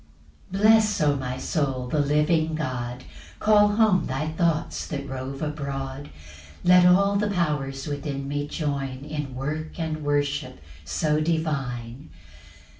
1 Bless, O my soul, the living God, Call home thy thoughts that rove abroad; Let all the powers within me join In work and worship so divine.